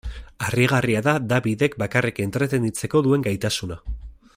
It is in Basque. Harrigarria da Dabidek bakarrik entretenitzeko duen gaitasuna.